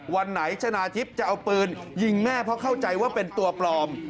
วันไหนชนะทิพย์จะเอาปืนยิงแม่เพราะเข้าใจว่าเป็นตัวปลอม